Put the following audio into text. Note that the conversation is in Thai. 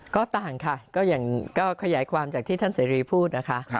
ก็ต่างค่ะก็อย่างก็ขยายความจากที่ท่านเสรีพูดนะคะ